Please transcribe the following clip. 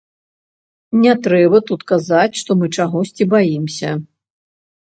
Не трэба тут казаць, што мы чагосьці баімся.